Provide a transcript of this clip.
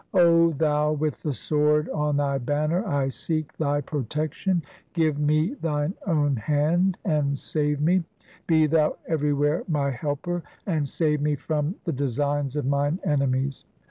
O, Thou with the sword on Thy banner, I seek Thy protection ; Give me Thine own hand and save me ; Be Thou everywhere my helper, And save me from the designs of mine enemies.